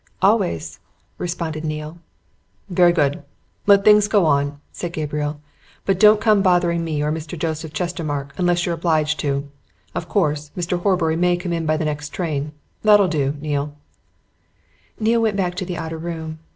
"Always," responded Neale. "Very good! Let things go on," said Gabriel. "But don't come bothering me or Mr. Joseph Chestermarke unless you're obliged to. Of course, Mr. Horbury may come in by the next train. That'll do, Neale." Neale went back to the outer room.